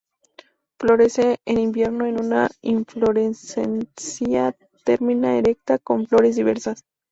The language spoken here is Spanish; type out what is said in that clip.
Florece en invierno en una inflorescencia terminal erecta, con flores diversas.